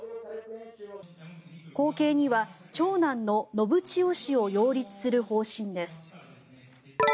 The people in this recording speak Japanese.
後継には長男の信千世氏を擁立する方針です。